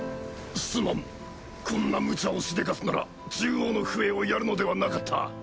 すまんこんな無茶をしでかすなら獣王の笛をやるのではなかった。